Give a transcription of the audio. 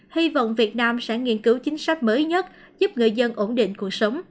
hy vọng việt nam sẽ nghiên cứu chính sách mới nhất giúp người dân ổn định cuộc sống